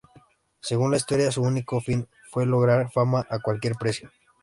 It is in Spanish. Según la historia, su único fin fue lograr fama a cualquier precio.